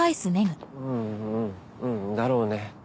うんうんうんだろうね。